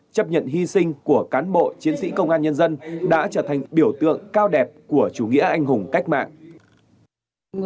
chấp nhận hy sinh của cán bộ chiến sĩ công an nhân dân đã trở thành biểu tượng cao đẹp của chủ nghĩa anh hùng cách mạng